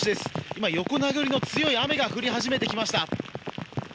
今、横殴りの強い雨が降り始めました。